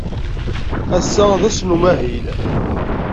Ass-a d ass n umahil.